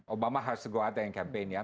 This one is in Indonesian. obama harus sekuat yang campaign ya